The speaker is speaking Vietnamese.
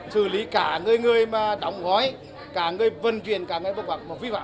xử lý cả người người mà đóng gói cả người vận chuyển cả người bốc bạc bộ phí phạm